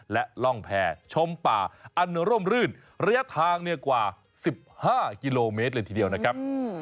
และล่องแผ่ชมป่าอันร่มรื่นระยะทางกว่า๑๕กิโลเมตรเลยทีเดียวนะครับ